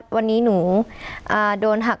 วันนี้หนูโดนหัก